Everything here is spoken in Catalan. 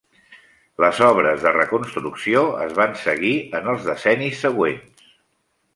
Les obres de reconstrucció es van seguir en els decennis següents.